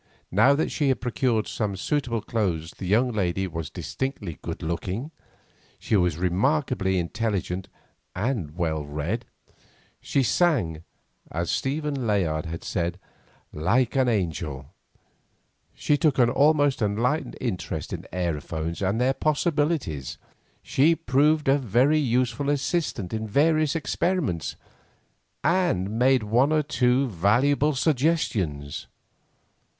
Now that she had procured some suitable clothes the young lady was distinctly good looking; she was remarkably intelligent and well read; she sang, as Stephen Layard had said, "like an angel"; she took a most enlightened interest in aerophones and their possibilities; she proved a very useful assistant in various experiments; and made one or two valuable suggestions.